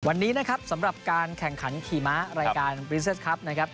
วันนี้นะครับสำหรับการแข่งขันขี่ม้ารายการบริเซสครับนะครับ